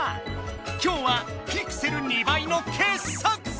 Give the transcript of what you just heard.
今日はピクセル２ばいの傑作選！